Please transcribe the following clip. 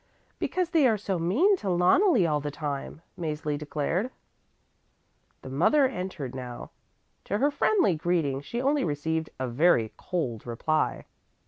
"Because they are so mean to Loneli all the time," Mäzli declared. The mother entered now. To her friendly greeting she only received a very cold reply.